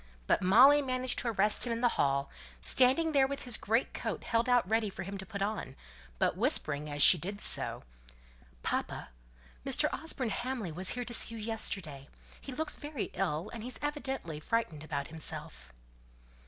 But Molly managed to arrest him in the hall, standing there with his great coat held out ready for him to put on, but whispering as she did so "Papa! Mr. Osborne Hamley was here to see you yesterday. He looks very ill, and he's evidently frightened about himself."